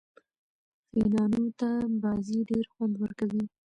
فېنانو ته بازي ډېره خوند ورکوي.